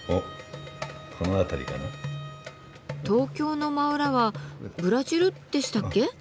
東京の真裏はブラジルでしたっけ？